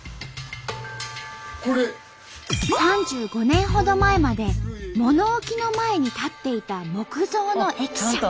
３５年ほど前まで物置の前に立っていた木造の駅舎。